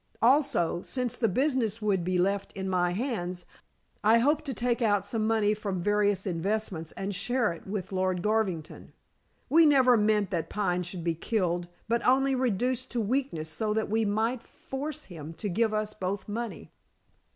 Also since the business would be left in my hands I hoped to take out some money from various investments, and share it with Lord Garvington. We never meant that Pine should be killed, but only reduced to weakness so that we might force him to give us both money."